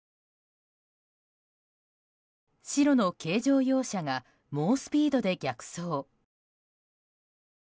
白の軽乗用車が猛スピードで逆走。